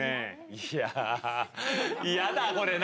いやー、嫌だ、これな。